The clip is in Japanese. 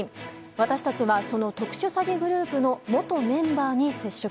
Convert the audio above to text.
私たちはその特殊詐欺グループの元メンバーに接触。